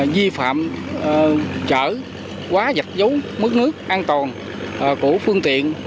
di phạm trở quá dạch dấu mớ nước an toàn của phương tiện